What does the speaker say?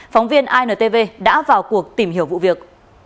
phóng viên intv đã vào cuộc tìm hiểu vụ việc